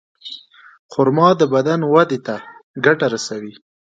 خرما د بدن وده ته ګټه رسوي.